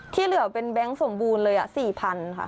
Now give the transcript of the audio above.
ที่เหลือเป็นแบงค์สมบูรณ์เลย๔๐๐๐ค่ะ